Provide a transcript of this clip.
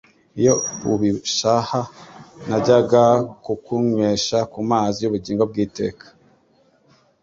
Iyo ubishaha najyaga kukunywesha ku mazi y'ubugingo bw'iteka.